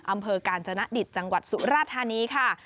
อำเภอกาญจนดิตจังหวัดสุราธานีค่ะ